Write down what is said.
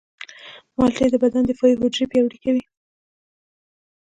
مالټې د بدن دفاعي حجرې پیاوړې کوي.